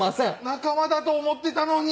仲間だと思ってたのに！